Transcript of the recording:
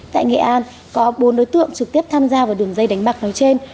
tại nghệ an có bốn đối tượng trực tiếp tham gia vào đường dây đánh bạc nói trên